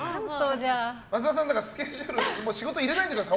益田さん、スケジュール入れないでください。